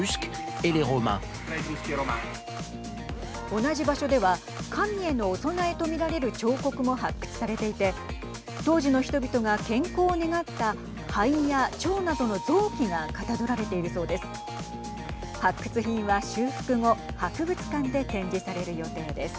同じ場所では神へのお供えと見られる彫刻も発掘されていて当時の人々が健康を願った肺や腸などの臓器がかたどられているそうです。